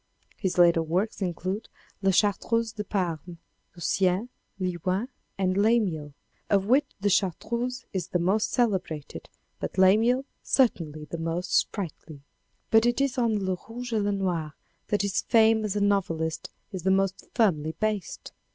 His later works included, La Chartreuse de Panne, Lucien, Leuwen and Lamiel, of which the Chartreuse is the most celebrated, but Lamiel certainly the most sprightly. But it is on Le Rouge et Le Noir that his fame as a novelist is the most firmly based.